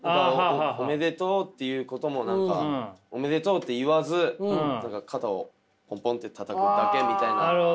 「おめでとう」って言うことも何か「おめでとう」って言わず何か肩をポンポンってたたくだけみたいな。